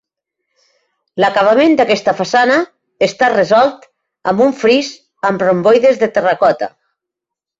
L'acabament d'aquesta façana està resolt amb un fris amb romboides de terracota.